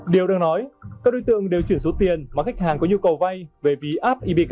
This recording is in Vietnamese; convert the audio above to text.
điều đang nói các đối tượng đều chuyển số tiền mà khách hàng có nhu cầu vay về ví app eb